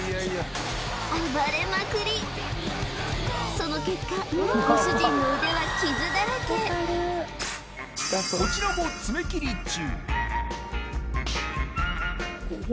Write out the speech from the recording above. その結果ご主人の腕は傷だらけこちらも爪切り中